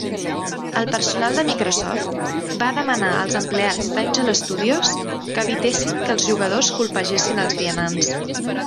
El personal de Microsoft va demanar als empleats d'Angel Studios que evitessin que els jugadors colpegessin els vianants.